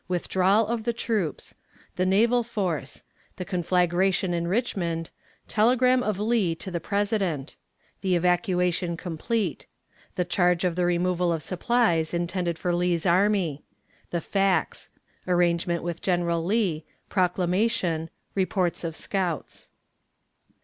Withdrawal of the Troops. The Naval Force. The Conflagration in Richmond. Telegram of Lee to the President. The Evacuation complete. The Charge of the Removal of Supplies intended for Lee's Army. The Facts. Arrangement with General Lee. Proclamation. Reports of Scouts.